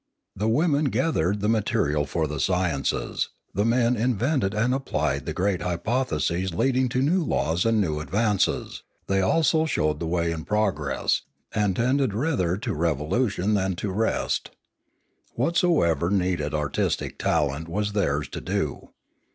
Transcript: The women gathered the material for the sciences; the men in vented and applied the great hypotheses leading to new laws and new advances; they also showed the way in progress, and tended rather to revolution than to rest. Whatsoever needed artistic talent was theirs to do.